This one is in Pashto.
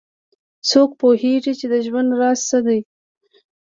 څوک پوهیږي چې د ژوند راز څه ده